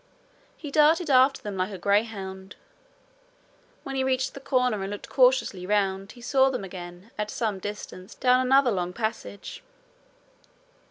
He darted after them like a greyhound. When he reached the corner and looked cautiously round, he saw them again at some distance down another long passage.